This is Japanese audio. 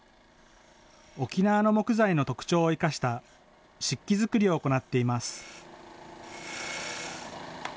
沖縄の木材の特徴を生かした漆器作りを行っています。